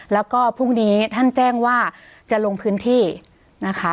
แล้วก็พรุ่งนี้ท่านแจ้งว่าจะลงพื้นที่นะคะ